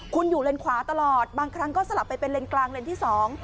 คุณอยู่เลนขวาตลอดบางครั้งก็สลับไปเป็นเลนกลางเลนที่สอง